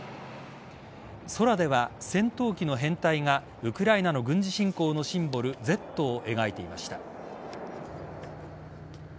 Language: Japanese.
空では戦闘機の編隊がウクライナの軍事侵攻のシンボルＺを描いていました。